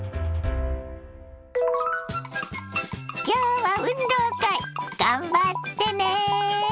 今日は運動会頑張ってね！